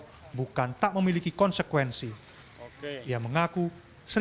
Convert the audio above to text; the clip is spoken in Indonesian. saya juga akan berb sitsih sekaligus seperti mereka yang mamp stressful word one worked n another